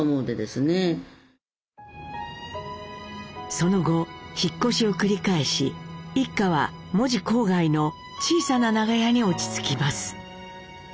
その後引っ越しを繰り返し一家は門司郊外の小さな長屋に落ち着きます。